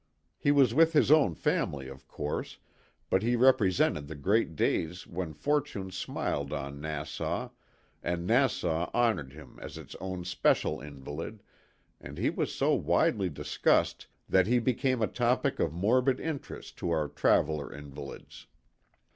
He was with his own family, of course, but he represented the great days when Fortune smiled on Nassau and Nas sau honored him as its own special invalid and he was so widely discussed that he became a topic of morbid interest to our traveler invalids.